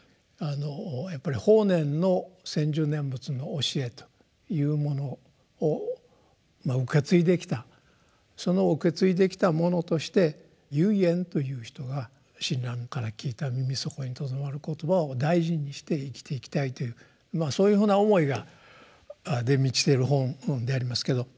やっぱり法然の「専修念仏」の教えというものを受け継いできたその受け継いできた者として唯円という人が親鸞から聞いた耳底に留まる言葉を大事にして生きていきたいというそういうふうな思いで満ちてる本でありますけど。